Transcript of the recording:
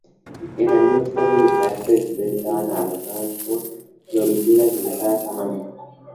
En algunos casos, los caracteres impresos estaban adornados por florituras dibujadas a mano.